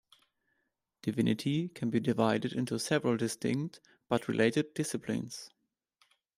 Divinity can be divided into several distinct but related disciplines.